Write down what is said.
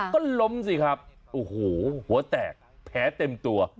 ก็ล้มสิครับโอ้โหหัวแตกแผลเต็มตัว